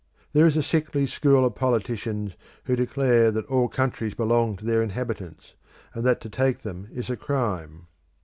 There is a sickly school of politicians who declare that all countries belong to their inhabitants, and that to take them is a crime.